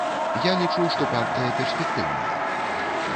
Я лічу, што партыя перспектыўная.